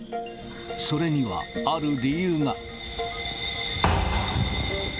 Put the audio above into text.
それにはある理由が。